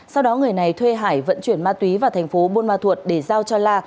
sau đó người này thuê hải vận chuyển ma túy vào thành phố buôn ma thuột để giao cho la